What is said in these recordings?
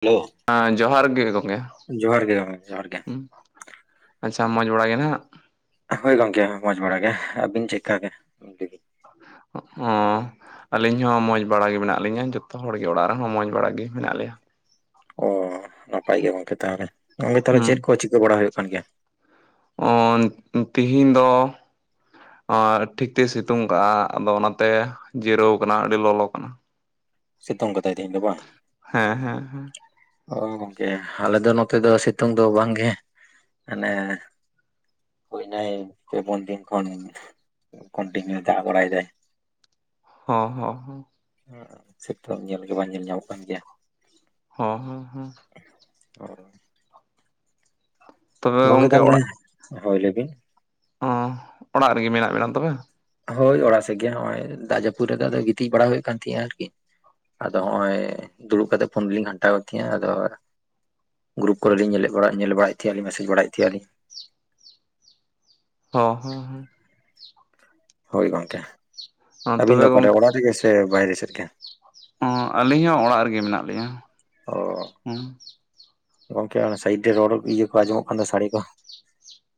Hello, ᱦᱮᱸ ᱡᱚᱦᱟᱨ ᱜᱮ ᱜᱚᱢᱠᱮ ᱾ ᱡᱚᱦᱟᱨ ᱜᱮ ᱡᱚᱦᱟᱨ ᱜᱮ ᱾ ᱟᱪᱪᱷᱟ ᱢᱚᱸᱡᱽ ᱵᱟᱲᱟ ᱜᱮ ᱱᱷᱟᱜ? ᱦᱳᱭ ᱜᱚᱝᱠᱮ ᱢᱚᱸᱡᱽ ᱵᱟᱲ ᱜᱮ ᱾ ᱟᱹᱵᱤᱱ ᱪᱤᱠᱠᱟ ᱜᱮ ᱤᱱᱠᱟᱹ ᱜᱮ? ᱦᱚᱸ ᱟᱹᱞᱤᱧ ᱦᱚᱸ ᱢᱚᱡᱽ ᱵᱟᱲᱟ ᱜᱮ ᱢᱮᱱᱟᱜ ᱞᱤᱧᱟᱹ ᱾ ᱡᱚᱛᱚ ᱦᱚᱲᱜᱮ ᱚᱲᱟᱜ ᱨᱮᱦᱚᱸ ᱢᱚᱡᱽ ᱵᱟᱲᱟ ᱜᱮ ᱢᱮᱱᱟᱜ ᱞᱮᱭᱟ ᱾ ᱚ ᱱᱟᱯᱟᱭ ᱜᱮ ᱜᱚᱝᱠᱮ ᱛᱟᱦᱚᱞᱮ ᱜᱚᱝᱠᱮ ᱾ ᱛᱟᱦᱚᱞᱮ ᱪᱮᱫ ᱦᱩᱸ ᱠᱚ ᱪᱤᱠᱟᱹ ᱵᱟᱲᱟ ᱦᱩᱭᱩᱜ ᱠᱟᱱ ᱜᱮᱭᱟ? ᱛᱤᱦᱤᱧ ᱫᱚ ᱴᱷᱤᱠ ᱛᱮᱭ ᱥᱤᱛᱩᱝ ᱠᱟᱜᱼᱟ᱾ ᱟᱫᱚ ᱚᱱᱟᱛᱮ ᱡᱤᱨᱟᱹᱣ ᱟᱠᱟᱱᱟ ᱟᱹᱰᱤ ᱞᱚᱞᱚ ᱠᱟᱱᱟ ᱾ ᱥᱤᱛᱩᱝ ᱠᱟᱫᱟᱭ ᱛᱮᱦᱮᱧ ᱫᱚ ᱵᱟᱝ? ᱦᱮᱸ ᱦᱮᱸ ᱦᱮᱸ ᱚ ᱜᱚᱝᱠᱮ ᱟᱞᱮ ᱫᱚ ᱱᱚᱛᱮ ᱫᱚ ᱥᱤᱛᱩᱝ ᱫᱚ ᱵᱟᱝᱜᱮ ᱾ ᱢᱟᱱᱮ ᱦᱩᱭᱱᱟ ᱯᱮ ᱯᱚᱱ ᱫᱤᱱ ᱠᱷᱚᱱ ᱠᱚᱱᱴᱤᱱᱤᱭᱩ ᱫᱟᱜ ᱵᱟᱲᱟᱭ ᱫᱟᱭ ᱾ ᱦᱚᱸ ᱦᱚᱸ ᱦᱚᱸ ᱾ ᱥᱤᱛᱩᱝ ᱧᱮᱞ ᱜᱮ ᱵᱟᱝ ᱧᱮᱞ ᱧᱟᱢᱚᱜ ᱠᱟᱱ ᱜᱮᱭᱟ ᱾ ᱦᱚ ᱦᱮᱸ ᱦᱮᱸ ᱾ ᱚᱻ ᱜᱚᱝᱠᱮ ᱛᱟᱦᱚᱞᱮ, ᱦᱳᱭ ᱞᱟᱹᱭ ᱵᱤᱱ ᱾ ᱚ, ᱚᱲᱟᱜ ᱨᱮᱜᱮ ᱢᱮᱱᱟᱜ ᱵᱮᱱᱟ ᱛᱚᱵᱮ? ᱦᱳᱭ ᱚᱲᱟᱜ ᱥᱮᱫ ᱜᱮ ᱱᱚᱜ ᱚᱭ ᱫᱟᱜ ᱡᱟᱹᱯᱩᱫ ᱨᱮᱫᱚ ᱟᱫᱚ ᱜᱤᱛᱤᱡ ᱵᱟᱲᱟ ᱦᱩᱭᱩᱜ ᱠᱟᱱ ᱛᱤᱦᱤᱜᱼᱟ ᱟᱨᱠᱤ ᱾ ᱟᱫᱚ ᱦᱚᱜ ᱚᱭ ᱫᱩᱲᱩᱵ ᱠᱟᱛᱮᱜ ᱯᱷᱳᱱ ᱨᱮᱞᱤᱧ ᱜᱷᱟᱱᱴᱟᱣ ᱠᱮᱫᱛᱤᱼᱟ ᱟᱫᱚ ᱜᱨᱩᱯ ᱠᱚᱨᱮᱞᱤᱧ ᱧᱮᱞ ᱵᱟᱲᱟ ᱧᱮᱞ ᱵᱟᱲᱟᱭᱮᱫ ᱛᱟᱦᱮᱸ ᱟᱞᱤᱧ ᱢᱮᱥᱡᱽ ᱵᱟᱲᱟᱭᱮᱫ ᱛᱟᱦᱮᱸ ᱟᱞᱤᱧ ᱾ ᱦᱚ ᱦᱮᱸ ᱦᱮᱸ ᱾ ᱦᱳᱭ ᱜᱚᱢᱠᱮ ᱦᱚᱸ ᱾ ᱟᱹᱵᱤᱱ ᱛᱚᱵᱮ ᱫᱚ ᱚᱠᱟᱨᱮ ᱚᱲᱟᱜ ᱨᱮᱜᱮ ᱥᱮ ᱵᱟᱭᱨᱮ ᱥᱮᱫ ᱨᱮᱜᱮ? ᱦᱚᱸ ᱟᱹᱞᱤᱧ ᱦᱚᱸ ᱚᱲᱟᱜ ᱨᱮᱜᱮ ᱢᱮᱱᱟᱜ ᱞᱤᱧᱟᱹ ᱚ ᱦᱚᱸ ᱾ ᱜᱚᱝᱠᱮ ᱚᱱᱟ ᱥᱟᱭᱤᱰ ᱨᱮ ᱨᱚᱲ ᱤᱭᱟᱹ ᱠᱚ ᱟᱸᱡᱚᱢᱚᱜ ᱠᱟᱱ ᱥᱟᱰᱮ ᱠᱚ ᱾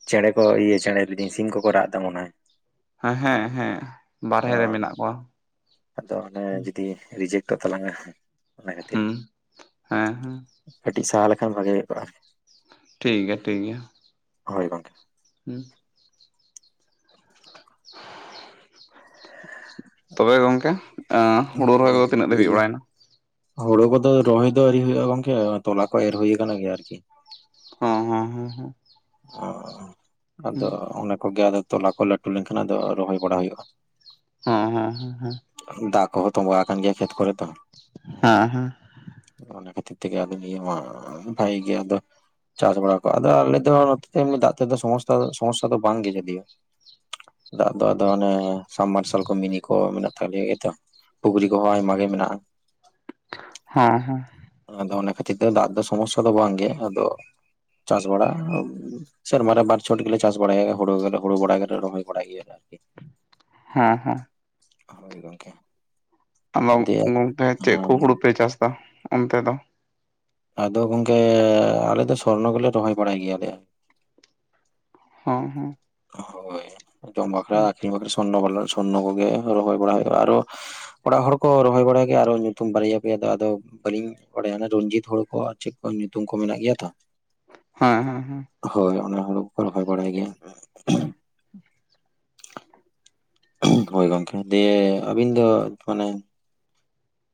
ᱪᱮᱬᱮ ᱠᱚ ᱤᱭᱟᱹ ᱪᱮᱬᱮ ᱞᱟᱹᱭ ᱫᱤᱧ ᱥᱤᱢ ᱠᱚᱠᱚ ᱨᱟᱜ ᱫᱟ ᱢᱚᱱᱮ ᱦᱚᱭ ᱾ ᱦᱟ ᱦᱮᱸ ᱦᱮᱸ ᱾ ᱚ ᱟᱫᱚ ᱚᱱᱮ ᱡᱩᱫᱤ ᱨᱤᱡᱮᱠᱴᱚᱜ ᱛᱟᱞᱟᱝᱟ ᱚᱱᱟ ᱠᱷᱟᱹᱛᱤᱨ ᱦᱩᱸ ᱦᱮᱸ ᱦᱮᱸ ᱾ ᱠᱟᱹᱴᱤᱡ ᱥᱟᱦᱟ ᱞᱮᱠᱷᱟᱱ ᱵᱷᱟᱜᱮ ᱦᱩᱭ ᱠᱚᱼᱟ ᱴᱷᱤᱠ ᱜᱮᱭᱟ ᱴᱷᱤᱠ ᱜᱮᱭᱟ। ᱦᱳᱭ ᱜᱚᱝᱠᱮ। ᱦᱩᱸ ᱛᱚᱵᱮ ᱜᱚᱝᱠᱮ ᱮᱸ ᱦᱩᱲᱩ ᱨᱚᱦᱚᱭ ᱠᱚᱫᱚ ᱛᱤᱱᱟᱹᱜ ᱫᱷᱟᱹᱵᱤᱡ ᱵᱟᱲᱟᱭᱱᱟ? ᱦᱳᱲᱳ ᱠᱚᱫᱚ ᱨᱚᱦᱚᱭ ᱫᱚ ᱟᱣᱨᱤ ᱦᱩᱭᱩᱜᱼᱟ ᱜᱚᱝᱠᱮ ᱛᱚᱞᱟ ᱠᱚ ᱮᱨ ᱦᱩᱭ ᱟᱠᱟᱱ ᱜᱮᱭᱟ ᱟᱨᱠᱤ। ᱦᱚᱸ ᱦᱚᱸ ᱦᱚᱸ ᱚ ᱟᱫᱚ ᱚᱱᱟ ᱠᱚᱜᱮ ᱛᱚᱞᱟ ᱠᱚ ᱞᱟᱹᱴᱩ ᱞᱮᱱᱠᱷᱟᱱ ᱟᱫᱚ ᱨᱚᱦᱚᱭ ᱵᱟᱲᱟ ᱦᱩᱭᱩᱜᱼᱟ। ᱦᱚᱸ ᱦᱚᱸ ᱦᱚᱸ ᱦᱚᱸ ᱫᱟᱜ ᱠᱚᱸᱦᱚ ᱛᱚᱵᱟ ᱟᱠᱟᱱ ᱜᱮᱭᱟ ᱠᱷᱮᱛ ᱠᱚᱨᱮ ᱛᱚ ᱦᱮᱸ ᱦᱮᱸ ᱚᱱᱟ ᱠᱷᱟᱹᱛᱤᱨ ᱛᱮᱜᱮ ᱟᱫᱚ ᱱᱤᱭᱟᱹ ᱢᱟ ᱵᱷᱟᱭᱤ ᱜᱮ ᱟᱫᱚ ᱪᱟᱥ ᱵᱟᱲᱟ ᱠᱚ ᱟᱫᱚ ᱟᱞᱮ ᱫᱚ ᱮᱢᱱᱤ ᱫᱟᱜ ᱛᱮᱫᱚ ᱥᱚᱢᱚᱥᱥᱟ ᱥᱚᱢᱚᱥᱥᱟ ᱫᱚ ᱵᱟᱝ ᱜᱮ ᱡᱳᱫᱤᱭᱳ ᱫᱟᱜ ᱫᱚ ᱟᱫᱚ ᱚᱱᱮ ᱥᱟᱢᱢᱟᱨᱥᱮᱞ ᱠᱚ ᱢᱤᱱᱤ ᱠᱚ ᱢᱮᱱᱟᱜ ᱛᱟᱞᱮᱭᱟ ᱜᱮᱛᱚ ᱯᱩᱠᱷᱨᱤ ᱠᱚᱦᱚᱸ ᱟᱭᱢᱟ ᱜᱮ ᱢᱮᱱᱟᱜᱼᱟ ᱦᱚᱸ ᱦᱚᱸ ᱟᱫᱚ ᱚᱱᱟ ᱠᱷᱟᱹᱛᱤᱨ ᱛᱮ ᱫᱟᱜ ᱫᱚ ᱥᱚᱢᱚᱥᱥᱟ ᱫᱚ ᱵᱟᱝ ᱜᱮ ᱟᱫᱚ ᱪᱟᱥ ᱵᱟᱲᱟ ᱥᱮᱨᱢᱟ ᱨᱮ ᱵᱟᱨ ᱪᱷᱚᱴ ᱜᱮᱞᱮ ᱪᱟᱥ ᱵᱟᱲᱟᱭᱟ ᱦᱩᱲᱩ ᱦᱩᱲᱩ ᱜᱚᱰᱟ ᱜᱮᱞᱮ ᱨᱚᱦᱚᱭ ᱵᱟᱲᱟᱭ ᱜᱮᱭᱟ ᱟᱨᱠᱤ। ᱦᱚᱸ ᱦᱚᱸ। ᱦᱳᱭ ᱜᱚᱝᱠᱮ। ᱟᱫᱚ ᱫᱤᱭᱮ ᱜᱚᱝᱠᱮ ᱪᱮᱫ ᱠᱚ ᱦᱩᱲᱩ ᱯᱮ ᱪᱟᱥᱫᱟ ᱚᱱᱛᱮ ᱫᱚ? ᱟᱫᱚ ᱜᱚᱝᱠᱮ ᱟᱞᱮᱫᱚ ᱥᱚᱨᱱᱚ ᱜᱮᱞᱮ ᱨᱚᱦᱚᱭ ᱵᱟᱲᱟᱭ ᱜᱮᱭᱟᱞᱮ। ᱦᱚᱸ ᱦᱚᱸ। ᱦᱳᱭ ᱡᱚᱢ ᱵᱟᱠᱷᱨᱟ ᱟᱹᱠᱷᱨᱤᱧ ᱵᱟᱠᱷᱨᱟ ᱥᱚᱨᱱᱟ ᱵᱟᱞᱮ ᱥᱚᱨᱱᱚ ᱠᱚᱜᱮ ᱨᱚᱦᱚᱭ ᱵᱟᱲᱟ ᱦᱩᱭᱩᱜᱼᱟ ᱟᱨᱚ ᱚᱲᱟᱜ ᱦᱚᱲ ᱠᱚ ᱨᱚᱦᱚᱭ ᱵᱟᱲᱟᱭ ᱜᱮᱭᱟ ᱟᱨᱦᱚ ᱧᱩᱛᱩᱢ ᱵᱟᱨᱭᱟ ᱯᱮᱭᱟ ᱫᱚ ᱟᱫᱚ ᱵᱟᱹᱞᱤᱧ ᱵᱟᱲᱟᱭᱟ ᱚᱱᱟ ᱨᱚᱧᱡᱤᱛ ᱦᱩᱲᱩ ᱠᱚ ᱟᱨ ᱪᱮᱫ ᱠᱚ ᱧᱩᱛᱩᱢ ᱠᱚ ᱢᱮᱱᱟᱜ ᱜᱮᱭᱟ ᱛᱚ ᱦᱮᱸ ᱦᱮᱸ ᱦᱮᱸ। ᱦᱳᱭ ᱚᱱᱟ ᱦᱩᱲᱩ ᱠᱚ ᱨᱚᱦᱚᱭ ᱵᱟᱲᱟᱭ ᱜᱮᱭᱟ। ᱦᱩᱸ ᱦᱳᱭ ᱜᱚᱝᱠᱮ ᱫᱤᱭᱮ ᱟᱹᱵᱤᱱ ᱫᱚ ᱢᱟᱱᱮ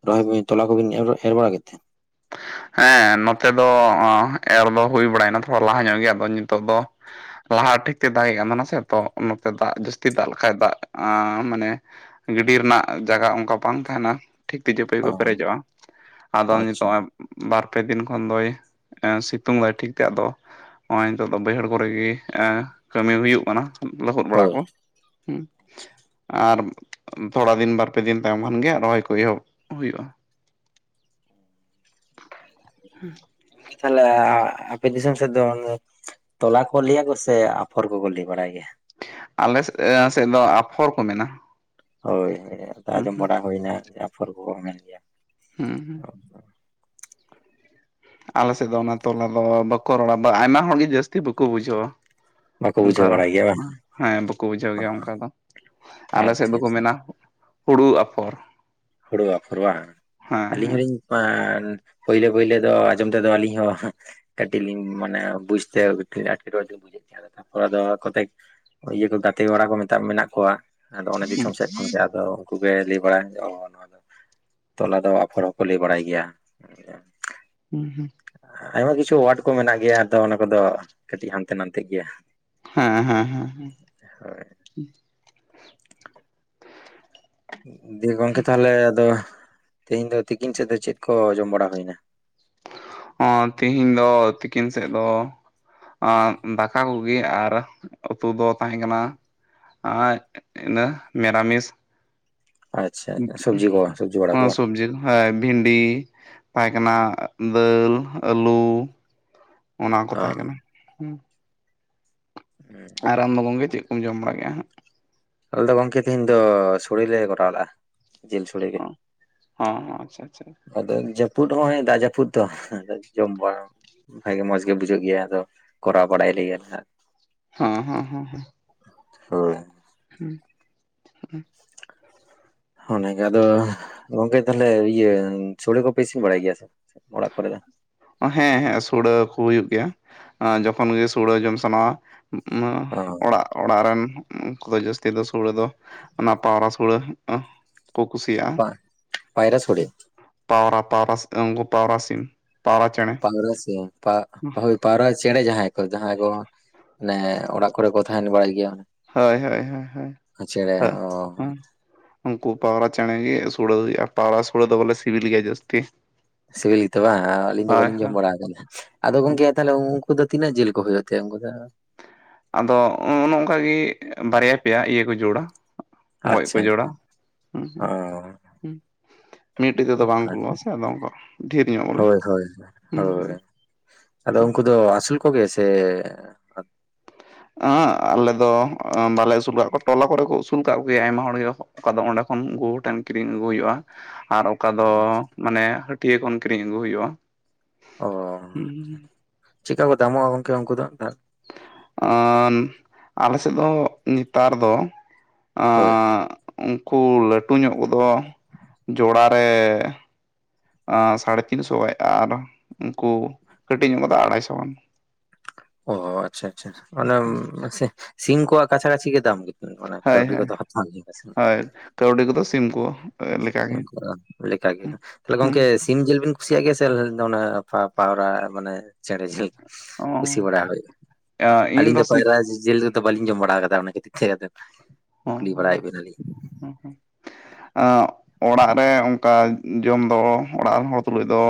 ᱨᱚᱦᱚᱭ ᱵᱤᱱ ᱛᱚᱞᱟ ᱠᱚᱵᱤᱱ ᱮ ᱮᱨ ᱵᱟᱲᱟ ᱠᱮᱫ ᱛᱮ? ᱦᱮᱸ ᱱᱚᱛᱮ ᱫᱚ ᱮᱨ ᱫᱚ ᱦᱩᱭ ᱵᱟᱲᱟᱭᱮᱱᱟ ᱛᱷᱚᱲᱟ ᱞᱟᱦᱟ ᱧᱚᱜ ᱜᱮ ᱟᱫᱚ ᱱᱤᱛᱚᱜ ᱫᱚ ᱞᱟᱦᱟ ᱴᱷᱤᱠ ᱛᱮ ᱫᱟᱜᱮᱜ ᱠᱟᱱ ᱛᱟᱦᱮᱱᱟ ᱥᱮ ᱛᱚ ᱱᱚᱛᱮ ᱫᱟᱜ ᱡᱟᱹᱥᱛᱤ ᱫᱟᱜ ᱞᱮᱠᱷᱟᱡ ᱫᱟᱜ ᱟᱸᱻ ᱢᱟᱱᱮ ᱜᱤᱰᱤ ᱨᱮᱱᱟᱜ ᱡᱟᱭᱜᱟ ᱚᱱᱠᱟ ᱵᱟᱝ ᱛᱟᱦᱮᱱᱟ ᱴᱷᱤᱠ ᱛᱤᱡᱩᱯᱟᱹᱭ ᱚ ᱠᱚ ᱯᱮᱨᱮᱡᱚᱜᱼᱟ ᱟᱫᱚ ᱟᱪᱪᱷᱟ ᱱᱤᱛᱚᱜ ᱵᱟᱨᱯᱮ ᱫᱤᱱ ᱠᱷᱚᱱ ᱫᱚᱭ ᱥᱤᱛᱩᱝ ᱵᱟᱭ ᱴᱷᱤᱠ ᱠᱟᱜ ᱫᱚ ᱱᱚᱜᱼᱚᱭ ᱱᱤᱛᱚᱜ ᱫᱚ ᱵᱟᱹᱭᱦᱟᱹᱲ ᱠᱚᱨᱮᱜ ᱜᱮ ᱮ ᱠᱟᱹᱢᱤ ᱦᱩᱭᱩᱜ ᱠᱟᱱᱟ ᱞᱟᱹᱦᱩᱫ ᱵᱟᱲᱟ ᱦᱳᱭ ᱠᱚ। ᱦᱮᱸ। ᱟᱨ ᱛᱷᱚᱲᱟ ᱫᱤᱱ ᱵᱟᱨᱯᱮ ᱫᱤᱱ ᱛᱟᱭᱚᱢ ᱠᱷᱟᱱᱜᱮ ᱨᱚᱦᱚᱭ ᱠᱚ ᱮᱦᱚᱵ ᱦᱩᱭᱩᱜᱼᱟ [unintelligible] ᱦᱮᱸ ᱛᱟᱞᱷᱮ ᱟᱯᱮ ᱫᱤᱥᱚᱢ ᱥᱮᱫ ᱫᱚ ᱛᱚᱞᱟ ᱠᱚ ᱞᱟᱹᱭᱟ ᱠᱚ ᱥᱮ ᱟᱯᱷᱚᱨ ᱠᱚᱠᱚ ᱞᱟᱹᱭ ᱵᱟᱲᱟᱭ ᱜᱮᱭᱟ ᱟᱞᱮ ᱥᱮᱫ ᱫᱚ ᱟᱯᱷᱚᱨ ᱠᱚ ᱢᱮᱱᱟ ᱦᱳᱭ ᱦᱩᱸ ᱟᱸᱡᱚᱢ ᱦᱩᱸ ᱵᱟᱲᱟ ᱦᱩᱭᱱᱟ ᱟᱯᱷᱚᱨ ᱠᱚᱠᱚ ᱢᱮᱱ ᱜᱮᱭᱟ ᱦᱮᱸ ᱦᱮᱸ ᱟᱞᱮᱥᱮᱫ ᱫᱚ, ᱚᱱᱟ ᱛᱚᱞᱟ ᱫᱚ ᱵᱟᱠᱚ ᱨᱚᱲᱟ, ᱵᱟ ᱟᱭᱢᱟ ᱦᱚᱲᱜᱮ ᱡᱟᱹᱥᱛᱤ ᱵᱟᱠᱚ ᱵᱩᱡᱷᱟᱹᱣ-ᱟ᱾ ᱵᱟᱠᱚ ᱚᱱᱠᱟ ᱵᱩᱡᱷᱟᱹᱣ ᱨᱚᱲ, ᱵᱟᱲᱟᱭ ᱜᱮᱭᱟ ᱵᱟᱝ ᱦᱮᱸ ᱵᱟᱠᱚ ᱵᱩᱡᱷᱟᱹᱣ ᱜᱮᱭᱟ, ᱚᱱᱠᱟ ᱫᱚ᱾ ᱟᱞᱮ ᱥᱮᱫ ᱟᱪᱪᱷᱟ ᱫᱚᱠᱚ ᱟᱪᱪᱷᱟ ᱢᱮᱱᱟ᱾ ᱦᱩᱲᱩ ᱟᱯᱷᱚᱨ᱾ ᱦᱩᱲᱩ ᱟᱠᱦᱚᱨ ᱵᱟᱝ? ᱟᱹᱞᱤᱧ ᱦᱮᱸ ᱦᱚᱞᱤᱧ ᱯᱳᱭᱞᱳ, ᱯᱳᱭᱞᱳ ᱫᱚ ᱟᱸᱡᱚᱢ ᱛᱮᱫᱚ ᱟᱹᱞᱤᱧ ᱦᱚᱸ ᱠᱟᱴᱤᱡ ᱞᱤᱧ ᱢᱟᱱᱮ ᱵᱩᱡᱽᱛᱮ ᱮᱴᱠᱮᱸ ᱴᱚᱸᱬᱮᱸ ᱵᱩᱡᱟᱹ ᱟᱫᱚᱱᱦᱟ-ᱜ ᱠᱚᱟᱫᱚ ᱟᱠᱚᱛᱮ ᱤᱭᱟᱹ ᱠᱚ ᱜᱟᱛᱮ ᱠᱚᱲᱟ ᱠᱚ ᱢᱮᱛᱟ-ᱜ ᱢᱮᱱᱟᱜ ᱠᱚᱣᱟ᱾ ᱟᱫᱚ ᱚᱱᱮ ᱫᱤᱥᱚᱢ ᱥᱮᱫ ᱠᱷᱳᱱ ᱜᱮ, ᱟᱫᱚ ᱩᱱᱠᱩ ᱜᱮ ᱞᱟᱹᱭ ᱵᱟᱲᱟᱭ᱾ ᱚ ᱛᱚᱞᱟ ᱫᱚ ᱟᱯᱷᱚᱨ ᱦᱚᱸᱠᱚ ᱞᱟᱹᱭ ᱵᱟᱲᱟᱭ ᱜᱮᱭᱟ᱾ ᱦᱩᱸ ᱦᱩᱸ ᱟᱭᱢᱟ ᱠᱤᱪᱷᱩ ᱣᱟᱰ ᱠᱚ ᱢᱮᱱᱟᱜ ᱜᱮᱭᱟ᱾ ᱟᱫᱚ ᱚᱱᱟ ᱠᱚᱼᱫᱚ ᱠᱟᱹᱴᱤᱡ ᱦᱟᱱᱛᱮ ᱱᱟᱛᱮ ᱜᱮᱭᱟ᱾ ᱦᱮᱸ, ᱦᱮᱸ, ᱦᱮᱸ ᱦᱮᱸ᱾ ᱦᱳᱭ ᱫᱤᱭᱮ ᱜᱚᱝᱠᱮ ᱛᱟᱦᱚᱞᱮ ᱟᱫᱚ ᱛᱮᱦᱮᱧ ᱫᱚ ᱛᱤᱠᱤᱱ ᱥᱮᱫ ᱫᱚ ᱪᱮᱫ ᱠᱚ ᱡᱚᱢ ᱵᱟᱲᱟ ᱦᱩᱭᱱᱟ᱾ ᱦᱚᱸ ᱛᱮᱤᱦᱤᱧ ᱫᱚ ᱛᱤᱠᱤᱱ ᱥᱮᱫ ᱫᱚ ᱫᱟᱠᱟ ᱠᱚᱜᱮ ᱟᱨ ᱩᱛᱩ ᱫᱚ ᱛᱟᱦᱮᱸ ᱠᱟᱱᱟ᱾ ᱟᱨ ᱤᱱᱟ ᱢᱤᱨᱟᱢᱤᱥ ᱟᱪᱪᱷᱟ ᱥᱚᱵᱽᱡᱤ ᱠᱚ ᱥᱚᱵᱽᱡᱤ ᱵᱟᱲᱟ ᱦᱸ ᱠᱚ ᱵᱟᱝ ᱥᱚᱵᱡᱤ ᱫᱚ ᱦᱚᱭ ᱵᱷᱽᱤᱱᱰᱤ ᱛᱟᱦᱮᱸ ᱠᱟᱱᱟ᱾ ᱫᱟᱹᱞ ᱟᱹᱞᱩ- ᱚᱱᱟ ᱠᱚ ᱚ ᱛᱟᱦᱮᱸ ᱠᱟᱱᱟ᱾ ᱦᱩᱸ ᱦᱮᱸ ᱟᱨ ᱟᱢᱫᱚ ᱜᱚᱝᱠᱮ ᱪᱮᱫ ᱠᱚᱢ ᱡᱚᱢ ᱵᱟᱲᱟ ᱠᱮᱜᱼᱟ ᱾ ᱦᱟᱸᱜ ᱟᱞᱮ ᱫᱚ ᱜᱚᱝᱠᱮ ᱛᱤᱦᱮᱧ ᱫᱚᱸ ᱥᱚᱲᱮ ᱞᱮ ᱠᱚᱨᱟᱣ ᱞᱟᱜᱼᱟ᱾ ᱡᱤᱞ ᱥᱚᱲᱮ ᱜᱮ ᱦᱮᱸ ᱦᱚᱸ ᱟᱪᱦᱟ ᱟᱪᱷᱟ᱾ ᱟᱫᱚ ᱡᱟᱹᱯᱩᱫ ᱦᱚᱸᱜᱭ ᱫᱟᱜ ᱡᱟᱹᱯᱩᱫ ᱫᱚ᱾ ᱡᱚᱢ ᱵᱟᱲᱟ᱾ ᱵᱷᱽᱟᱜᱮ ᱢᱚᱸᱡᱽ ᱜᱮ ᱵᱩᱡᱷᱟᱹᱜ ᱜᱮᱭᱟ᱾ ᱟᱫᱚ ᱠᱚᱨᱟᱣ ᱵᱟᱲᱟᱭ ᱞᱮᱭᱟᱞᱮ᱾ ᱱᱦᱟᱸᱜ ᱦᱮᱸ ᱦᱮᱸ ᱦᱮᱸ ᱦᱮᱸ ᱦᱳᱭ ᱦᱩᱸ ᱦᱚᱱᱮᱜᱮ ᱟᱫᱚ ᱜᱚᱝᱠᱮ ᱛᱟᱦᱚᱞᱮ ᱤᱭᱟᱹ ᱥᱳᱲᱮᱸ ᱠᱚᱯᱮ ᱤᱥᱤᱱ ᱵᱟᱲᱟᱭ ᱜᱮᱭᱟ ᱾ ᱥᱮ ᱚᱲᱟᱜ ᱠᱚᱨᱮ ᱫᱚ ᱦᱮᱸ ᱦᱮᱸ ᱥᱩᱲᱟᱹ ᱠᱚ ᱦᱩᱭᱩᱜ ᱜᱮᱭᱟ᱾ ᱡᱚᱠᱷᱚᱱ ᱜᱮ ᱥᱩᱲᱟᱹ ᱡᱚᱢ ᱥᱟᱜᱱᱟ ᱦᱟ ᱚ ᱚᱲᱟᱜ ᱚᱲᱟᱜ ᱨᱮᱱ ᱩᱱᱠᱩ ᱫᱚ ᱡᱟᱹᱥᱛᱤ ᱫᱚ ᱥᱩᱲᱟᱹ ᱫᱚ, ᱚᱱᱟ ᱯᱟᱣᱨᱟ ᱥᱩᱲᱟᱹ ᱠᱚ ᱠᱩᱥᱤᱭᱟᱜᱼᱟ ᱯᱟᱭᱨᱟ ᱥᱳᱲᱮ ᱾ᱯᱟᱣᱨᱟ - ᱯᱟᱣᱨᱟ ᱩᱸᱜᱚ ᱯᱟᱣᱨᱟ ᱥᱤᱢ ᱯᱟᱣᱨᱟ ᱪᱮᱬᱮᱸ ᱯᱟᱣᱨᱟ ᱥᱮᱢ ᱯᱟᱣᱨᱟ ᱪᱮᱬᱮᱸ ᱡᱟᱦᱟᱸᱭ ᱠᱚ, ᱡᱟᱦᱟᱸᱭ ᱠᱚ ᱢᱟᱱᱮ ᱚᱲᱟᱜ ᱠᱚᱨᱮ ᱠᱚ, ᱛᱟᱦᱮᱱ ᱵᱟᱲᱟᱭ ᱜᱮᱭᱟ᱾ ᱦᱳᱭ, ᱦᱳᱭ, ᱦᱳᱭ, ᱪᱮᱬᱮ ᱦᱳᱭ ᱚ ᱦᱸ ᱩᱱᱠᱩ ᱯᱟᱣᱨᱟ ᱪᱮᱬᱮᱸ ᱜᱮ ᱥᱩᱲᱟᱹᱦᱩᱭᱩᱼᱜ ᱟ ᱾ ᱯᱟᱣᱨᱟ ᱥᱩᱲᱟᱹ ᱫᱚ ᱵᱚᱞᱮ ᱥᱤᱵᱤᱞ ᱜᱮᱭᱟ ᱡᱟᱹᱥᱛᱤ᱾ ᱥᱤᱵᱤᱞ ᱜᱮᱛᱚ ᱵᱟᱝ, ᱟᱞᱤᱧ ᱫᱚ ᱦᱳᱭ ᱵᱞᱤᱧ ᱡᱚᱢ ᱦᱳᱭ ᱵᱟᱲᱟ ᱟᱠᱟ ᱟ ᱱᱟᱜ? ᱟᱫᱚ ᱦᱮᱸ ᱜᱚᱝᱠᱮ ᱛᱟᱦᱚᱞᱮ ᱩᱱᱠᱩ ᱫᱚ, ᱛᱤᱱᱟᱹᱜ ᱡᱤᱞ ᱠᱚ ᱦᱩᱭᱩᱼᱜ ᱛᱟᱭᱟ ᱾ᱩᱱᱠᱩ ᱫᱚ ᱟᱫᱚᱜ ᱚᱱ ᱚᱝᱠᱟᱜᱤ ᱵᱟᱨᱭ-ᱟ ᱯᱮᱭ-ᱟ ᱤᱭᱟᱹ ᱠᱚ ᱡᱳᱲᱟ᱾ ᱜᱚᱡ ᱠᱚ ᱟᱪᱪᱷᱟ ᱡᱚᱲᱟ ᱚ ᱦᱸ ᱢᱤᱫᱴᱤᱡ ᱛᱮᱫᱚ ᱵᱟᱝ ᱚᱱᱠᱟ ᱠᱩᱞᱟᱹᱜᱼᱟ ᱥᱮ, ᱟᱫᱚ ᱚᱱᱠᱟ ᱰᱷᱮᱨ ᱧᱚᱜ ᱵᱚᱞᱮ ᱦᱳᱭ ᱦᱳᱭ ᱦᱮᱸ ᱦᱳᱭ ᱟᱫᱚ ᱩᱱᱠᱩ ᱫᱚ, ᱟᱹᱥᱩᱞ ᱠᱚᱜᱮ ᱥᱮ ᱟᱸ ᱟᱞᱮ ᱫᱚ ᱵᱟᱞᱮ ᱟᱹᱥᱩᱞ ᱠᱟᱜ ᱠᱚᱣᱟ ᱴᱚᱞᱟ ᱠᱚᱨᱮ ᱠᱚ ᱟᱹᱥᱩᱞ ᱠᱟᱜ ᱠᱚᱜᱮᱭᱟ ᱟᱭᱢᱟ ᱦᱚᱲᱜᱮ ᱾ ᱟᱫᱚ ᱚᱸᱰᱮ ᱠᱷᱚᱱ ᱜᱩ ᱴᱷᱮᱱ ᱠᱤᱨᱤᱧ ᱟᱹᱜᱩ ᱦᱩᱭᱩᱜᱼᱟ ᱟᱨ ᱚᱠᱟ ᱫᱚ ᱢᱟᱱᱮ ᱦᱟᱹᱴᱭᱟᱹ ᱠᱷᱚᱱ ᱠᱤᱨᱤᱧ ᱟᱹᱜᱩ ᱦᱩᱭᱩᱜᱼᱟ ᱾ ᱚ ᱪᱮᱫᱠᱟ ᱠᱚ ᱫᱟᱢᱚᱜᱼᱟ ᱜᱚᱝᱠᱮ ᱩᱱᱠᱩ ᱫᱚ? ᱟᱸ ᱟᱞᱮ ᱥᱮᱫ ᱫᱚ ᱱᱮᱛᱟᱨ ᱫᱚ ᱦᱳᱭ ᱟᱸ ᱩᱱᱠᱩ ᱞᱟᱹᱴᱩ ᱧᱚᱜ ᱠᱚᱫᱚ ᱡᱚᱲᱟ ᱨᱮ ᱥᱟᱲᱮ ᱛᱤᱱᱥᱚ ᱠᱷᱚᱡ ᱟᱨ ᱩᱱᱠᱩ ᱠᱟᱹᱴᱤᱡ ᱧᱚᱜ ᱠᱚᱫᱚ ᱟᱲᱟᱭ ᱥᱚ ᱜᱟᱱ ᱾ ᱚ ᱟᱪᱪᱷᱟ ᱟᱪᱪᱷᱟ ᱛᱟᱦᱚᱞᱮ ᱮᱢ ᱥᱤᱢ ᱠᱚᱣᱟᱜ ᱠᱟᱪᱷᱟ ᱠᱟᱪᱷᱤ ᱜᱮ ᱫᱟᱢ ᱜᱮ ᱾ ᱢᱟᱱᱮ ᱦᱳᱭ ᱠᱟᱹᱣᱰᱤ ᱦᱳᱭ ᱠᱚᱫᱚ ᱦᱟᱛᱟᱣ ᱜᱮᱭᱟ ᱥᱮ, ᱦᱳᱭ ᱠᱟᱹᱣᱰᱤ ᱠᱚᱫᱚ ᱥᱤᱢ ᱠᱚ ᱞᱮᱠᱟᱜᱮ ᱞᱮᱠᱟᱜᱮ ᱛᱟᱦᱚᱞᱮ ᱦᱮᱸ ᱜᱚᱝᱠᱮ ᱥᱤ ᱥᱤᱢ ᱡᱮᱞ ᱵᱤᱱ ᱠᱩᱥᱤᱭᱟᱜ ᱜᱮᱭᱟ ᱥᱮ ᱚᱱᱟ ᱯᱟᱣᱨᱟ ᱢᱟᱱᱮ ᱪᱮᱬᱮ ᱡᱷᱤᱞ? ᱚ ᱠᱩᱥᱤ ᱵᱟᱲᱟ ᱦᱩᱭᱩᱜᱼᱟ ᱤᱧ ᱟᱹᱞᱤᱧ ᱫᱚ ᱥᱤᱢ ᱯᱟᱭᱨᱟ ᱡᱤᱞ ᱛᱚ ᱵᱟᱹᱞᱤᱧ ᱡᱚᱢ ᱵᱟᱲᱟ ᱟᱠᱟᱫᱟ ᱚᱱᱟ ᱤᱪᱷᱟᱹ ᱠᱟᱛᱮ ᱠᱩ ᱠᱩᱞᱞᱤ ᱵᱟᱲᱟᱭᱮᱫ ᱵᱮᱱᱟᱞᱤᱧ ᱾ ᱦᱩᱸ ᱦᱩᱸ ᱾ ᱚᱸ ᱚᱲᱟᱜ ᱨᱮ ᱚᱱᱠᱟ ᱡᱚᱢ ᱫᱚ ᱚᱲᱟᱜ ᱨᱮᱱ ᱦᱚᱲ ᱛᱩᱞᱩᱡ ᱫᱚ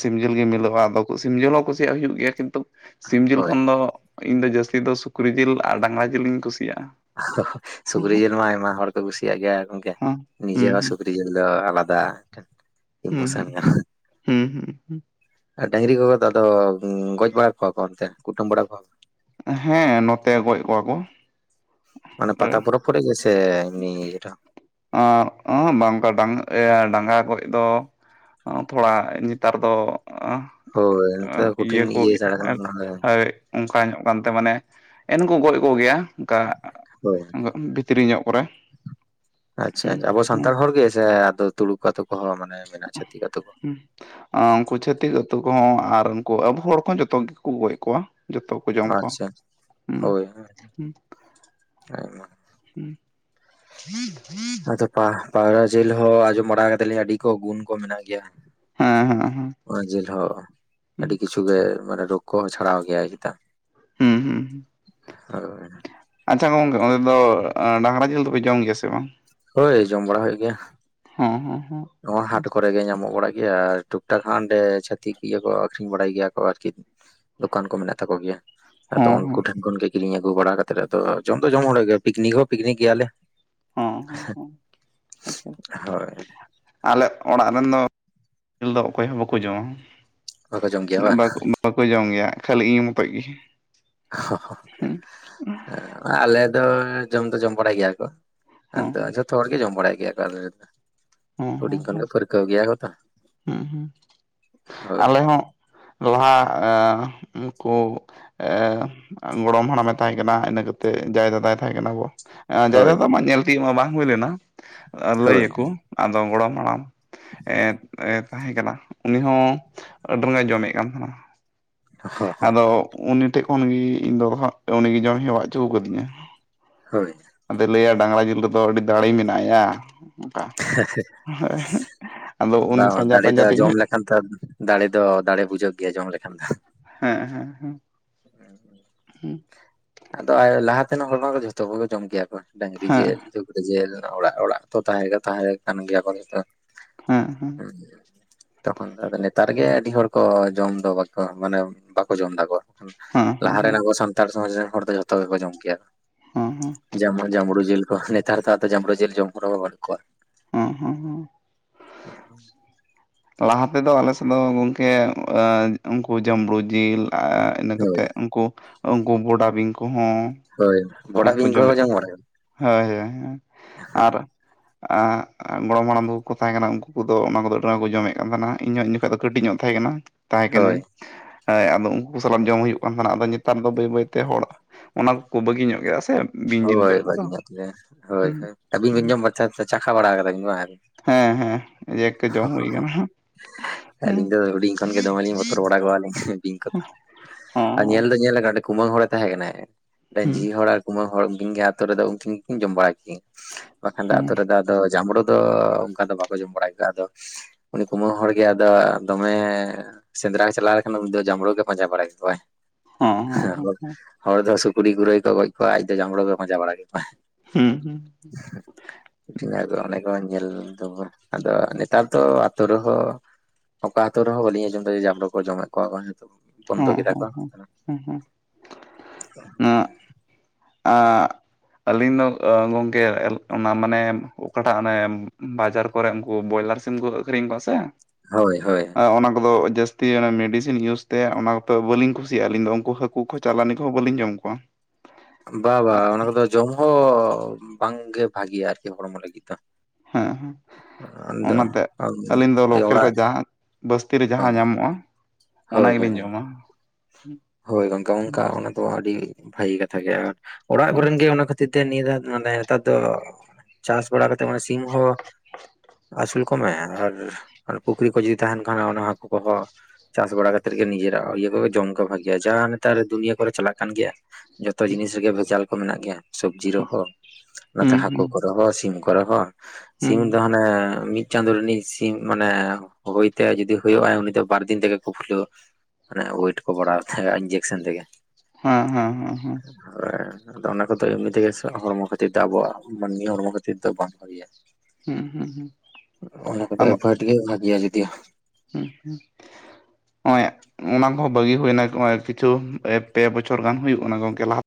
ᱥᱤᱢ ᱡᱤᱞ ᱜᱮ ᱢᱤᱞᱟᱹᱜᱼᱟ ᱟᱫᱚ ᱥᱤᱢ ᱡᱤᱞ ᱦᱚᱸ ᱠᱩᱥᱤᱭᱟᱜ ᱦᱩᱭᱩᱜ ᱜᱮᱭᱟ ᱠᱤᱱᱛᱩ ᱥᱤᱢ ᱡᱤᱞ ᱦᱳᱭ ᱠᱷᱚᱱ ᱫᱚ ᱤᱧ ᱫᱚ ᱡᱟᱹᱥᱛᱤ ᱫᱚ ᱥᱩᱠᱨᱤ ᱡᱤᱞ ᱟᱨ ᱰᱟᱺᱝᱨᱟ ᱡᱤᱞᱤᱧ ᱠᱩᱥᱤᱭᱟᱜᱼᱟ᱾ ᱥᱩᱠᱨᱤ ᱡᱤᱞ ᱢᱟ ᱟᱭᱢᱟ ᱦᱚᱲ ᱠᱚ ᱠᱩᱥᱤᱭᱟᱜ ᱜᱮᱭᱟ ᱜᱚᱢᱠᱮ ᱦᱮᱸ ᱱᱤᱡᱮ ᱦᱚᱸ ᱦᱩᱸ ᱥᱩᱠᱨᱤ ᱡᱤᱞ ᱫᱚ ᱟᱞᱟᱫᱟ [unintelligible] ᱦᱩᱸ ᱤᱢᱳᱥᱮᱱ ᱦᱩᱸ ᱦᱩᱸ ᱦᱩᱸ ᱦᱩᱸ ᱾ ᱰᱟᱺᱝᱨᱤ ᱠᱚᱜᱮ ᱛᱚ ᱟᱫᱚ ᱜᱚᱡ ᱵᱟᱲᱟ ᱠᱚᱣᱟ ᱠᱚ ᱚᱱᱛᱮ ᱠᱩᱴᱟᱹᱢ ᱵᱟᱲᱟ ᱠᱚᱣᱟ ᱾ ᱦᱮᱸ ᱱᱚᱛᱮ ᱜᱚᱡ ᱠᱚᱣᱟ ᱠᱚ ᱾ ᱢᱟᱱᱮ ᱯᱟᱛᱟ ᱯᱚᱨᱚᱵ ᱠᱚᱨᱮ ᱜᱮ ᱥᱮ ᱮᱢᱱᱤ ᱤᱭᱮ ᱨᱮ ᱵᱟᱝᱠᱟ ᱰᱟᱝ ᱰᱟᱝᱺᱨᱟ ᱠᱚᱨᱮ ᱫᱚ ᱛᱷᱚᱲᱟ ᱱᱮᱛᱟᱨ ᱫᱚ ᱦᱳᱭ ᱱᱚᱛᱮ ᱫᱚ ᱤᱭᱟᱹ ᱠᱩᱴᱷᱤᱱ ᱠᱚᱜᱮ ᱥᱟᱲᱟ ᱠᱟᱱᱟ ᱦᱮᱸ ᱚᱱᱟ ᱫᱚ᱾ ᱚᱱᱠᱟ ᱧᱮᱞᱚᱜ ᱠᱟᱱᱛᱮ ᱢᱟᱱᱮ ᱮᱱᱠᱩ ᱜᱚᱡ ᱠᱚᱜᱮᱭᱟ ᱦᱳᱭ ᱚᱱᱠᱟ ᱵᱷᱤᱛᱨᱤ ᱧᱚᱜ ᱠᱚᱨᱮ ᱟᱪᱪᱷᱟ ᱦᱩᱸ ᱟᱵᱚ ᱦᱩᱸ ᱥᱟᱱᱛᱟᱲ ᱦᱚᱲ ᱜᱮ ᱥᱮ ᱟᱫᱚ ᱛᱩᱲᱩᱠ ᱟᱛᱳ ᱠᱚᱦᱚᱸ ᱢᱟᱱᱮ ᱢᱮᱱᱟᱜᱼᱟ, ᱪᱷᱟᱹᱛᱤᱠ ᱟᱛᱳ ᱠᱚ᱾ ᱟᱸ ᱩᱱᱠᱩ ᱪᱷᱟᱹᱛᱤᱠ ᱟᱹᱛᱩ ᱠᱚᱦᱚᱸ ᱟᱨ ᱩᱱᱠᱩ ᱟᱵᱚ ᱦᱚᱲ ᱠᱚᱦᱚᱸ ᱡᱚᱛᱚ ᱜᱮᱠᱚ ᱜᱚᱡ ᱠᱚᱣᱟ ᱡᱚᱛᱚ ᱜᱮ ᱾ ᱠᱩ ᱡᱚᱢ ᱠᱚᱣᱟ ᱟᱪᱪᱷᱟ ᱦᱩᱸ ᱦᱳᱭ ᱟᱭᱢᱟ ᱾ [unintelligible] ᱟᱫᱚ ᱯᱟᱣᱨᱟ ᱡᱷᱤᱞ ᱦᱚᱸ ᱟᱸᱡᱚᱢ ᱵᱟᱲᱟ ᱠᱟᱫᱟᱞᱤᱧ ᱟᱹᱰᱤ ᱠᱚ ᱜᱩᱱ ᱠᱚ ᱢᱮᱱᱟᱜ ᱜᱮᱭᱟ ᱾ ᱦᱮᱸ ᱦᱮᱸ ᱦᱮᱸ ᱾ ᱚᱱᱟ ᱡᱤᱞ ᱦᱚᱸ ᱟᱹᱰᱤ ᱠᱤᱪᱷᱩ ᱜᱮ ᱢᱟᱱᱮ ᱨᱳᱜᱽ ᱠᱚᱦᱚᱸ ᱪᱷᱟᱲᱟᱣ ᱜᱮᱭᱟᱭ ᱪᱮᱛᱟᱱ ᱾ ᱦᱩᱸ ᱾ ᱦᱳᱭ ᱾ ᱟᱪᱪᱷᱟ ᱜᱚᱝᱠᱮ ᱚᱸᱰᱮ ᱫᱚ ᱰᱟᱺᱝᱨᱟ ᱡᱤᱞ ᱫᱚᱯᱮ ᱡᱚᱢ ᱜᱮᱭᱟ ᱥᱮ ᱵᱟᱝ? ᱦᱳᱭ ᱡᱚᱢ ᱵᱟᱲᱟ ᱦᱩᱭᱩᱜ ᱜᱮᱭᱟ ᱾ ᱦᱮᱸ ᱦᱮᱸ ᱦᱮᱸ᱾ ᱱᱚᱣᱟ ᱦᱟᱴ ᱠᱚᱨᱮ ᱜᱮ ᱧᱟᱢᱚᱜ ᱵᱟᱲᱟᱜ ᱜᱮᱭᱟ ᱟᱨ ᱴᱩᱠ ᱴᱟᱠ ᱠᱷᱟᱱ ᱨᱮ ᱪᱷᱟᱛᱤᱠ ᱤᱭᱟᱹ ᱠᱚ ᱟᱠᱷᱨᱤᱧ ᱵᱟᱲᱟᱭ ᱜᱮᱭᱟ ᱠᱚ ᱟᱨᱠᱤ ᱫᱚᱠᱟᱱ ᱠᱚ ᱢᱮᱱᱟᱜ ᱛᱟᱠᱚ ᱜᱮᱭᱟ ᱾ ᱟᱫᱚ ᱦᱚᱸ ᱩᱱᱠᱩ ᱦᱚᱸ ᱴᱷᱮᱱ ᱠᱷᱚᱱᱜᱮ ᱠᱤᱨᱤᱧ ᱟᱹᱜᱩ ᱵᱟᱲᱟ ᱠᱟᱛᱮ ᱮᱫ ᱟᱫᱚ ᱡᱚᱢ ᱫᱚ ᱡᱚᱢ ᱦᱚᱲ ᱜᱮᱭᱟ ᱯᱤᱠᱱᱤᱠ ᱦᱚᱸ ᱯᱤᱠᱱᱤᱠ ᱜᱮᱭᱟᱞᱮ ᱾ ᱦᱚᱸ ᱦᱚᱸ ᱦᱚᱸ ᱟᱪᱪᱷᱟ ᱾ ᱦᱳᱭ ᱟᱞᱮ ᱚᱲᱟᱜ ᱨᱮᱱ ᱫᱚ ᱡᱤᱞ ᱫᱚ ᱚᱠᱚᱭ ᱦᱚᱸ ᱵᱟᱠᱚ ᱡᱚᱢᱟ᱾ ᱵᱟᱠᱚ ᱡᱚᱢ ᱜᱮᱭᱟ ᱵᱟᱝ ᱵᱟ ᱵᱟᱠᱚ ᱡᱚᱢ ᱜᱮᱭᱟ ᱠᱷᱟᱹᱞᱤ ᱤᱧ ᱢᱚᱛᱚᱡ ᱜᱮ᱾ ᱦᱮᱸ ᱟᱞᱮ ᱫᱚ ᱡᱚᱢ ᱫᱚ ᱡᱚᱢ ᱵᱟᱲᱟᱟᱭ ᱜᱮᱭᱟ ᱠᱚ᱾ ᱦᱚᱸ ᱟᱫᱚ ᱡᱷᱚᱴᱚ ᱟᱚᱲ ᱜᱮ ᱡᱚᱢ ᱵᱟᱲᱟᱭ ᱜᱮᱭᱟ ᱠᱚ᱾ ᱦᱩᱸ ᱦᱸ ᱦᱩᱰᱤᱧ ᱠᱷᱚᱱ ᱦᱩᱸ ᱜᱮ ᱯᱟᱹᱨᱠᱟᱹᱣ ᱜᱮᱭᱟ ᱠᱚ ᱛᱚ ᱦᱩᱸ ᱦᱩᱸ ᱦᱳᱭ ᱟᱞᱮ ᱦᱚᱸ ᱞᱟᱦᱟ ᱠᱩᱱᱠᱩ ᱮ ᱜᱚᱲᱚᱢ ᱦᱟᱲᱟᱢᱮ ᱛᱟᱦᱮᱸ ᱠᱟᱱᱟ ᱤᱱᱟᱹ ᱠᱟ ᱠᱟᱛᱮᱫ ᱡᱟᱭ ᱫᱟᱫᱟᱭ ᱛᱟᱦᱮᱸ ᱠᱟᱱᱟ ᱵᱚ ᱦᱳᱭ ᱡᱟᱭᱫᱟᱫᱟ ᱢᱟ ᱧᱮᱞ ᱛᱤᱭᱳᱜ ᱢᱟ ᱵᱟᱝ ᱦᱩᱭ ᱞᱮᱱᱟ ᱞᱟᱹᱭ ᱦᱳᱭ ᱟᱠᱠᱚ ᱟᱫᱚ ᱜᱚᱲᱚᱢ ᱦᱟᱲᱟᱢ ᱛᱟᱦᱮᱸᱠᱟᱱᱟ ᱩᱱᱤ ᱦᱚᱸ ᱟᱹᱰᱤ ᱰᱚᱸ ᱮ ᱡᱚᱢᱮᱫ ᱠᱟᱱ ᱛᱟᱦᱮᱱᱟ᱾ ᱦᱳᱭ ᱟᱫᱚ ᱩᱱᱤ ᱴᱷᱮᱡ ᱠᱷᱚᱱ ᱜᱮ ᱤᱧ ᱫᱚ ᱩᱱᱤᱜᱮ ᱡᱚᱢᱮ ᱦᱮᱣᱟ ᱦᱚᱪᱚ ᱠᱟᱹᱫᱤᱧᱟ᱾ ᱦᱳᱭ ᱟᱫᱚᱭ ᱞᱟᱹᱭᱟ ᱰᱟᱝᱨᱟ ᱡᱤᱞ ᱨᱮᱫᱚ ᱟᱹᱰᱤ ᱫᱟᱲᱮ ᱢᱮᱱᱟᱜ ᱟᱭᱟ᱾ ᱚᱱᱠᱟ ᱦ ᱟᱫᱚ ᱩᱱᱤ ᱯᱟᱸᱡᱟ ᱯᱟᱸᱡᱟ ᱛᱧ [unintelligible] ᱱᱮᱛᱟᱨ ᱫᱟᱲᱮ ᱫᱚ ᱫᱟᱲᱮ ᱵᱩᱡᱷᱟᱹᱜ ᱜᱮᱭᱟ ᱡᱚᱢ ᱞᱮᱠᱷᱟᱱ ᱫᱚ᱾ ᱦᱮᱸ ᱦᱮᱸ ᱦᱮᱸ ᱟᱫᱚ ᱞᱟᱦᱟ ᱛᱮᱱ ᱦᱚᱲ ᱢᱟ ᱠᱚ ᱡᱷᱚᱛᱚ ᱠᱚᱜᱮ ᱡᱚᱢ ᱠᱮᱭᱟ ᱠᱚ ᱾ ᱰᱟᱹᱝᱨᱤ ᱦᱮᱸ ᱡᱤᱞ ᱥᱩᱠᱨᱤ ᱡᱤᱞ ᱚᱲᱟᱜ ᱚᱲᱟᱜ ᱛᱚ ᱛᱟᱦᱮᱸ ᱛᱚ ᱛᱟᱦᱮᱸ ᱠᱟᱱ ᱜᱮᱭᱟ ᱠᱚ ᱱᱤᱛᱚᱜ ᱾ ᱦᱮᱸ ᱦᱮᱸ [inaudible] ᱛᱚᱠᱷᱚᱱ ᱫᱚ ᱱᱮᱛᱟᱨ ᱜᱮ ᱟᱹᱰᱤ ᱦᱚᱲ ᱠᱚ ᱡᱚᱢ ᱫᱚ ᱵᱟᱠᱚ ᱢᱟᱱᱮ ᱵᱟᱠᱚ ᱡᱚᱢ ᱫᱟᱠᱚ᱾ ᱦᱮᱸ ᱦᱮᱸ ᱞᱟᱦᱟ ᱦᱮᱸ ᱨᱮᱱ ᱟᱵᱚ ᱥᱟᱱᱛᱟᱲ ᱥᱚᱢᱟᱡᱽ ᱨᱮᱱ ᱦᱚᱲ ᱫᱚ ᱡᱚᱛᱚ ᱜᱮᱠᱚ ᱡᱚᱢ ᱠᱮᱭᱟ᱾ ᱦᱚᱸ ᱦᱚᱸ ᱡᱮᱢᱚᱱ ᱡᱟᱢᱵᱽᱲᱩ ᱡᱤᱞ ᱠᱚ ᱱᱮᱛᱟᱨ ᱫᱚ ᱟᱫᱚ ᱡᱟᱸᱵᱽᱲᱩ ᱡᱤᱞ ᱡᱚᱢ ᱠᱚ ᱵᱟᱹᱱᱩᱜ ᱠᱚᱣᱟ᱾ ᱦᱚᱸ ᱦᱚᱸ ᱦᱚᱸ᱾ [inaudible] ᱞᱟᱦᱟ ᱛᱮᱫᱚ ᱟᱞᱮᱥᱮᱫ ᱫᱚ ᱜᱚᱢᱠᱮ ᱩᱱᱠᱩ ᱡᱟᱹᱟᱢᱲᱩ ᱡᱤᱞ ᱤᱱᱟᱹ ᱦᱳᱭ ᱠᱟᱛᱮᱫ ᱩᱱᱠᱩ ᱩᱱᱠᱩ ᱵᱚᱰᱟ ᱵᱤᱧ ᱠᱚᱦᱚᱸ, ᱦᱳᱭ ᱵᱚᱰᱟ ᱩᱱᱠᱩ ᱵᱤᱧ ᱡᱚᱢᱮᱫ ᱠᱚ ᱡᱚᱢ ᱵᱟᱲᱟ ᱠᱟᱫᱟ? ᱦᱳᱭ ᱦᱳᱭ ᱟᱨ ᱟᱨ ᱜᱚᱲᱚᱢ ᱦᱟᱲᱟᱢ ᱠᱚ ᱠᱚ ᱛᱟᱦᱮᱸ ᱠᱟᱱᱟ ᱩᱱᱠᱩ ᱠᱚᱫᱚ ᱚᱱᱟ ᱠᱚᱫᱚ ᱟᱹᱰᱤ ᱢᱟᱨ ᱠᱚ ᱡᱚᱢᱮᱫ ᱠᱟᱱ ᱛᱟᱦᱮᱱᱟ ᱤᱧᱦᱚᱸ ᱩᱱ ᱡᱚᱠᱷᱚᱡ ᱫᱚ ᱠᱟᱹᱴᱤᱡ ᱧᱚᱜ ᱛᱟᱦᱮᱸ ᱠᱟᱱᱟ ᱾ ᱛᱟᱦᱮᱸ ᱠᱟᱹᱱᱟᱹᱧ ᱦᱳᱭ ᱾ ᱦᱸ ᱟᱫᱚ ᱩᱱᱠᱩ ᱠᱚ ᱥᱟᱞᱟᱜ ᱡᱚᱢ ᱦᱩᱭᱩᱜ ᱠᱟᱱ ᱛᱟᱦᱮᱱᱟ ᱟᱫᱚ ᱱᱮᱛᱟᱨ ᱫᱚ ᱵᱟᱹᱭ ᱵᱟᱹᱭᱛᱮ ᱦᱚᱲ ᱚᱱᱟ ᱠᱚᱠᱚ ᱵᱟᱹᱜᱤ ᱧᱚᱜ ᱜᱮᱭᱟ ᱥᱮ ᱵᱤᱧ ᱡᱤᱞ ᱦᱳᱭ ᱡᱚᱢ ᱠᱚᱫᱚ ᱵᱷᱟᱹᱜᱤ ᱧᱚᱜ ᱜᱮ ᱦᱳᱭ ᱦᱩᱸ ᱦᱳ ᱟᱹᱵᱤᱱ ᱵᱤᱱ ᱡᱚᱢ ᱵᱟ ᱪᱟᱠᱷᱟ ᱵᱟᱲᱟ ᱠᱟᱫᱟ ᱵᱤᱱ ᱵᱟᱝ? ᱦᱮᱸ ᱦᱮᱸ ᱮᱭ ᱮᱠᱮ ᱡᱚᱢ ᱦᱩᱭ ᱠᱟᱱᱟ᱾ ᱦᱚᱸ ᱟᱹᱞᱤᱧ ᱫᱚ ᱦᱩᱰᱤᱧ ᱠᱷᱚᱱ ᱜᱮ ᱫᱚᱢᱮ ᱞᱤᱧ ᱵᱚᱛᱚᱨ ᱵᱟᱲᱟ ᱠᱚᱣᱟᱞᱤᱧ ᱵᱤᱝ ᱠᱚ ᱟᱨ ᱧᱮᱞ ᱦᱚᱸ ᱫᱚ ᱧᱮᱞ ᱟᱠᱟᱱ ᱚᱸᱰᱮ ᱠᱩᱢᱟᱹᱝ ᱦᱚᱲᱮ ᱛᱟᱦᱮᱸ ᱠᱟᱱᱟᱭ ᱢᱤᱫᱴᱟᱝ ᱦᱩᱸ ᱡᱷᱤ ᱦᱚᱲ ᱟᱨ ᱠᱩᱢᱟᱝ ᱦᱚᱲ ᱩᱱᱠᱤᱱ ᱜᱮᱛᱚ ᱟᱛᱳ ᱨᱮᱫᱚ ᱩᱱᱠᱤᱱ ᱜᱮᱠᱤᱱ ᱡᱚᱢ ᱵᱟᱲᱟᱭ ᱠᱤᱱ ᱵᱟᱝᱠᱷᱟᱱ ᱫᱚ ᱟᱛᱳ ᱦᱚᱸ ᱨᱮᱫᱚ ᱟᱫᱚ ᱡᱟᱢᱵᱽᱲᱩ ᱫᱚ ᱚᱱᱠᱟ ᱫᱚ ᱵᱟᱠᱚ ᱡᱚᱢ ᱵᱟᱲᱟ ᱠᱚᱣᱟ ᱟᱫᱚ ᱩᱱᱤ ᱠᱩᱢᱟᱝ ᱦᱚᱲᱜᱮ ᱟᱫᱚ ᱫᱚᱢᱮ ᱥᱮᱸᱫᱽᱨᱟ ᱪᱟᱞᱟᱣ ᱞᱮᱠᱷᱟᱱ ᱩᱱᱤ ᱫᱚ ᱡᱟᱢᱲᱩ ᱜᱮ ᱯᱟᱸᱡᱟ ᱵᱟᱲᱟᱭ ᱠᱚᱣᱟᱭ᱾ ᱦᱚᱸ ᱦᱮ ᱦᱚᱸ ᱦᱚᱸ ᱦᱚᱲ ᱫᱚ ᱥᱩᱠᱨᱤ ᱜᱩᱞᱟᱹᱭ ᱠᱚ ᱜᱚᱡ ᱠᱚᱣᱟ ᱟᱡ ᱫᱚ ᱡᱟᱢᱲᱩ ᱠᱚ ᱯᱟᱡᱟ ᱵᱟᱲᱟ ᱠᱮᱠᱚᱣᱟᱭ᱾ ᱦᱩᱸ ᱦᱩᱸ ᱴᱧ ᱫᱚ ᱚᱱᱮ ᱠᱚ ᱧᱮᱞ ᱫᱚᱵᱚ ᱟᱫᱚ ᱱᱮᱛᱟᱨ ᱫᱚ ᱛᱚ ᱟᱛᱳ ᱨᱮᱦᱚᱸ ᱚᱠᱟ ᱟᱛᱳ ᱨᱮᱦᱚᱸ ᱵᱟᱹᱞᱤᱧ ᱟᱸᱡᱚᱢᱮᱫᱟ ᱡᱟᱢᱵᱽᱲᱩ ᱠᱚ ᱡᱚᱢᱮᱫ ᱠᱚᱣᱟ ᱠᱚ ᱦᱤᱛᱚᱜ ᱦᱚᱸ᱾ ᱦᱮᱸ ᱵᱚᱱᱫᱚ ᱠᱮᱫᱟ ᱦᱮᱸ ᱠᱚ ᱦᱮᱸ ᱦᱮᱸ [unintelligible] ᱟᱸᱠ [inaudible] ᱟᱹᱞᱤᱧ ᱫᱚ ᱜᱚᱝᱠᱮ ᱚᱱᱟ ᱢᱟᱱᱮ ᱚᱠᱟᱴᱟᱜ ᱚᱱᱮ ᱵᱟᱡᱟᱨ᱾ ᱠᱚᱨᱮ ᱩᱱᱠᱩ ᱵᱚᱭᱞᱟᱨ ᱥᱤᱢ ᱠᱚ ᱟᱠᱷᱨᱤᱧ ᱠᱚᱣᱟ ᱥᱮ, ᱦᱳᱭ ᱦᱳᱭ᱾ ᱚᱱᱟ ᱠᱚᱫᱚ ᱡᱟᱹᱥᱛᱤ ᱚᱱᱟ ᱢᱮᱰᱤᱥᱤᱱ ᱤᱭᱩᱥ ᱛᱮ ᱚᱱᱟ ᱠᱚᱫᱚ ᱵᱟᱹᱞᱤᱧ ᱠᱩᱥᱤᱭᱟᱜᱼᱟ ᱟᱹᱞᱤᱧ ᱫᱚ ᱩᱱᱠᱩ ᱦᱟᱠᱩ ᱠᱚ ᱪᱟᱞᱟᱱᱤ ᱠᱚ᱾ ᱵᱟᱹᱞᱤᱧ ᱡᱚᱢ ᱠᱚᱣᱟ᱾ ᱵᱟ ᱵᱟᱝ ᱚᱱᱟ ᱠᱚᱫᱚ ᱡᱚᱢ ᱦᱚᱸ ᱵᱟᱝᱜᱮ ᱵᱷᱟᱜᱮᱭᱟ ᱟᱨᱠᱤ ᱦᱚᱲᱢᱚ ᱞᱟᱹᱜᱤᱫ ᱫᱚ᱾ ᱦᱮᱸ ᱦᱮᱸ᱾ ᱚᱱᱟᱛᱮ ᱟᱫᱚ ᱟᱹᱞᱤᱧ ᱫᱚ ᱞᱳᱠᱮᱞ ᱨᱮ ᱚᱲᱟᱜ ᱡᱟᱦᱟᱸ ᱵᱟᱥᱛᱤ ᱨᱮ ᱡᱟᱦᱟᱸ ᱧᱟᱢᱚᱜᱼᱟ᱾ ᱦᱳᱭ ᱚᱱᱟ ᱦᱳᱭ ᱜᱮᱞᱤᱧ ᱡᱚᱢᱟ᱾ ᱦᱳᱭ ᱜᱚᱝᱠᱮ ᱚᱱᱠᱟ ᱚᱱᱟ ᱫᱚ ᱟᱹᱰᱤ ᱵᱷᱟᱜᱤ ᱠᱟᱛᱷᱟ ᱜᱮᱭᱟ ᱟᱨ ᱚᱲᱟᱜ ᱦᱩᱸ ᱠᱚᱨᱮᱱ ᱜᱮ ᱚᱱᱟ ᱠᱷᱟᱹᱛᱼᱼ ᱠᱷᱟ. ᱛᱤᱨ ᱛᱮ ᱱᱤᱭᱟᱫᱷᱟ ᱢᱟᱱᱮ ᱱᱮᱛᱟᱨ ᱫᱚ ᱪᱟᱥ ᱵᱟᱲᱟ ᱠᱟᱛᱮᱜ ᱢᱟᱱᱮ ᱥᱤᱢ ᱦᱚᱸᱼᱼ ᱟᱹᱥᱩᱞ ᱠᱚᱢᱮ ᱟᱨ ᱯᱩᱠᱷᱨᱤ ᱠᱚ ᱡᱚᱫᱤ ᱛᱟᱦᱮᱱ ᱠᱷᱟᱱ ᱚᱱᱟ ᱦᱟᱹᱠᱩ ᱠᱚᱦᱚᱸᱼᱼ ᱪᱟᱥ ᱵᱟᱲᱟ ᱠᱷᱟ. ᱛᱤᱨ ᱱᱤᱡᱮᱟᱜ ᱤᱭᱟᱹ ᱠᱚ ᱡᱚᱢᱠᱚ ᱵᱷᱟᱜᱮ᱾ ᱜᱮᱭᱟ ᱡᱟᱦᱟᱸ ᱱᱮᱛᱟᱨ ᱫᱩᱱᱭᱤᱭᱟᱹ ᱠᱚᱨᱮ ᱪᱟᱞᱟᱜ ᱠᱟᱱ ᱜᱮᱭᱟ ᱡᱚᱛᱚ ᱡᱤᱱᱤᱥ ᱨᱮᱜᱮ ᱵᱷᱮᱡᱟᱞ ᱠᱚ ᱢᱮᱱᱟᱜ ᱜᱮᱭᱟ᱾ ᱥᱚᱵᱽᱡᱤ ᱨᱮᱦᱚᱸ ᱱᱚᱛᱮ ᱦᱩᱸ ᱦᱟᱹᱠᱩ ᱦᱩᱸ ᱠᱚ ᱨᱮᱦᱚ ᱥᱤᱢ ᱠᱚᱨᱮ ᱦᱚ ᱦᱩᱸ ᱥᱤᱢ ᱫᱚ ᱦᱟᱱᱮ ᱢᱤᱫᱼᱼ ᱪᱟᱸᱫᱳ ᱨᱤᱱᱤᱡ ᱥᱤᱢ ᱢᱟᱱᱮ ᱦᱳᱭᱛᱮ ᱡᱩᱫᱤ ᱦᱳᱭᱳᱜᱼᱟ ᱩᱱᱤ ᱫᱚ ᱵᱟᱨᱫᱤᱱ ᱛᱮᱜᱮ ᱠᱚ ᱠᱷᱩᱞᱟᱹᱣᱟ᱾ ᱳᱭᱮᱴ ᱠᱚ ᱵᱲᱟᱣ ᱛᱟᱭᱟ ᱤᱝᱡᱮᱠᱥᱚᱱ ᱛᱮ ᱜᱮ᱾ ᱦᱮᱸ ᱦᱮᱸ ᱦᱮᱸ ᱦᱮᱸ᱾ ᱛᱟᱯᱚᱨᱮ ᱟᱫᱚ ᱚᱱᱟ ᱠᱚᱫᱚ ᱮᱢᱱᱤ ᱛᱮᱜᱮ ᱦᱚᱲᱢᱚ ᱠᱷᱟᱹᱛᱤᱨ ᱫᱚ ᱟᱵᱚᱣᱟᱜ ᱢᱟᱹᱱᱢᱤ ᱦᱚᱲᱢᱚ ᱠᱷᱟᱹᱛᱤᱨ ᱫᱚ ᱵᱟᱝ ᱦᱩᱭᱩᱜ-ᱟ᱾ ᱦᱩᱸ ᱦᱩᱸ ᱦᱩᱸ᱾ ᱚᱱᱟ ᱠᱚᱫᱚ ᱮᱵᱷᱭᱮᱴ ᱜᱮ ᱵᱷᱟᱜᱮᱭᱟ ᱡᱚᱫᱤ᱾ ᱦᱩᱸ ᱦᱩᱸ᱾ ᱱᱚᱜᱚᱭ ᱚᱱᱟ ᱠᱚᱦᱚᱸ ᱵᱟᱹᱜᱤ ᱦᱩᱭᱱᱟᱜ ᱠᱤᱪᱷᱩ ᱯᱮ ᱵᱚᱪᱷᱚᱨ ᱜᱟᱱ ᱦᱩᱭᱩᱜ ᱠᱟᱱᱟ ᱜᱚᱝᱠᱮ ᱞᱟᱦᱟᱼᱼ